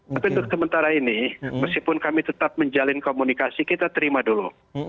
tapi untuk sementara ini meskipun kami tetap menjalin komunikasi kita terima dulu